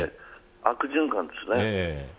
悪循環ですね。